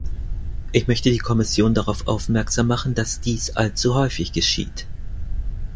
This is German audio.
Ich möchte die Kommission darauf aufmerksam machen, dass dies allzu häufig geschieht.